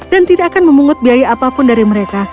dan tidak akan memungut biaya apapun dari mereka